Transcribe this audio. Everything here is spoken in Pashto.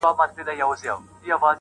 • وموږ تې سپكاوى كاوه زموږ عزت يې اخيست.